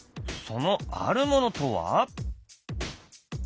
そのあるものとは？